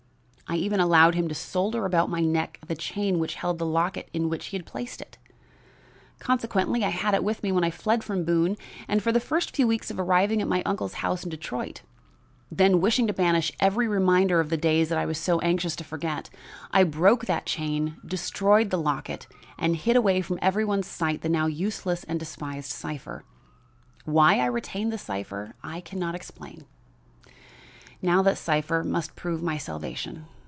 I even allowed him to solder about my neck the chain which held the locket in which he had placed it. Consequently I had it with me when I fled from Boone, and for the first few weeks after arriving at my uncle's house in Detroit. Then, wishing to banish every reminder of days I was so anxious to forget, I broke that chain, destroyed the locket and hid away from every one's sight the now useless and despised cipher. Why I retained the cipher I can not explain. Now, that cipher must prove my salvation.